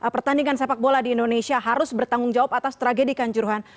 pertandingan sepak bola di indonesia harus bertanggung jawab atas tragedi kanjuruhan